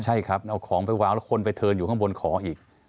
ใช่ครับเอาของไปวางแล้วคนไปเทินอยู่ข้างบนขออีก